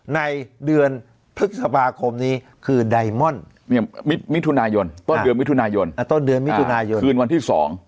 ในเดือนพฤษภาคมนี้คือไดมอลต้นเดือนมิถุนายนคืนวันที่๒